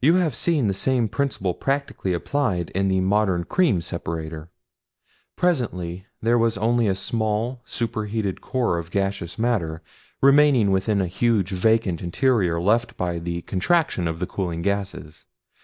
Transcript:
You have seen the same principle practically applied in the modern cream separator. Presently there was only a small super heated core of gaseous matter remaining within a huge vacant interior left by the contraction of the cooling gases.